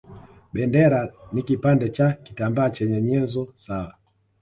Bendera ni kipande cha kitambaa chenye nyenzo sawa